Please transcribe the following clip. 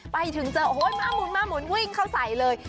ไปถึงเจอโอ้โฮมะหมุนวิ่งเข้าใส่เลย